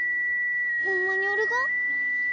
ホンマにおるが？